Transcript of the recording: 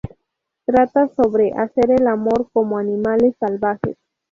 Trata sobre hacer el amor como animales salvajes.